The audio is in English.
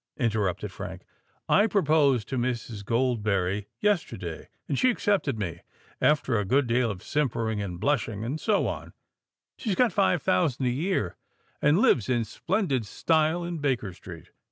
interrupted Frank. "I proposed to Mrs. Goldberry yesterday—and she accepted me, after a good deal of simpering and blushing, and so on. She's got five thousand a year, and lives in splendid style in Baker Street.